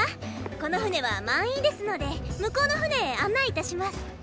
この船は満員ですので向こうの船へ案内いたします。